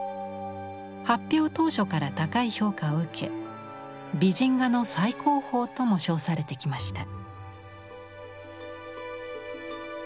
発表当初から高い評価を受け美人画の最高峰とも称されてきました。